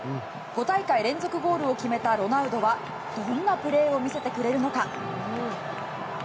５大会連続ゴールを決めたロナウドはどんなプレーを見せてくれるのか。